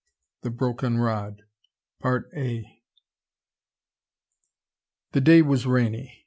THE BROKEN ROD The day was rainy.